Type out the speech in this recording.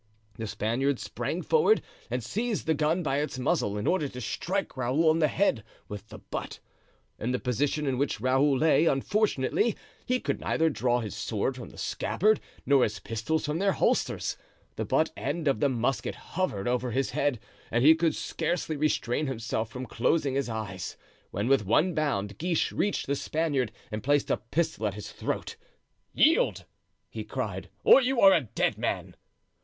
The Spaniard sprang forward and seized the gun by its muzzle, in order to strike Raoul on the head with the butt. In the position in which Raoul lay, unfortunately, he could neither draw his sword from the scabbard, nor his pistols from their holsters. The butt end of the musket hovered over his head, and he could scarcely restrain himself from closing his eyes, when with one bound Guiche reached the Spaniard and placed a pistol at his throat. "Yield!" he cried, "or you are a dead man!"